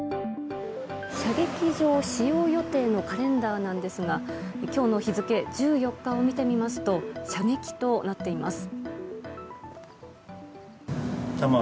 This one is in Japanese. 射撃場使用予定のカレンダーなんですが今日の日付１４日を見てみますと射撃となっています。